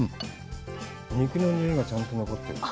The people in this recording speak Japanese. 肉のにおいがちゃんと残ってる。